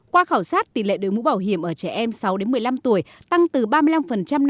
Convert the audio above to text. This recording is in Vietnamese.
qua khảo sát tỷ lệ đối mũ bảo hiểm ở trẻ em sáu một mươi năm tuổi tăng từ ba mươi năm năm hai nghìn một mươi